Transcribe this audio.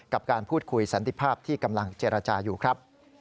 กับการพูดคุยสันติภาพที่กำลังเจรจาอยู่ครับ